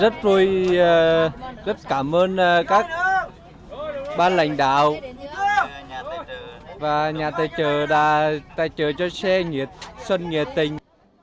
rất vui rất cảm ơn các ban lãnh đạo và nhà tài trợ đã tài trợ cho xe xuân nghệ tình